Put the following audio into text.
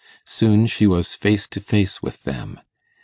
Soon she was face to face with them.